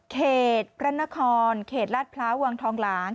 เขตประณะครเขตราชพระวงธองหลัง